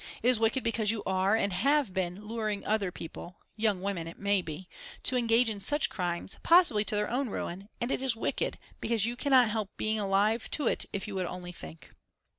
It is wicked because you are, and have been, luring other people young women, it may be to engage in such crimes, possibly to their own ruin; and it is wicked, because you cannot help being alive to it if you would only think.